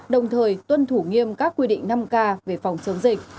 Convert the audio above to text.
đồng thời tuân thủ nghiêm các quy định năm k về phòng chống dịch